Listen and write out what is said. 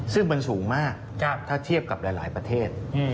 ซึ่งมันสูงมากถ้าเทียบกับหลายประเทศ